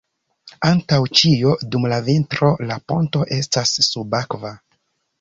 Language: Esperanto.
Antaŭ ĉio dum la vintro la ponto estas subakva.